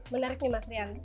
menarik mas rian